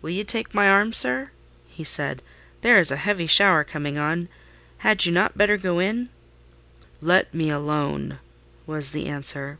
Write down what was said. "Will you take my arm, sir?" he said; "there is a heavy shower coming on: had you not better go in?" "Let me alone," was the answer.